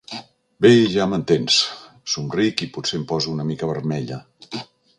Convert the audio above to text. Bé, ja m'entens —somric, i potser em poso una mica vermella—.